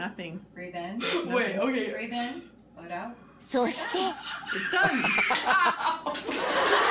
［そして］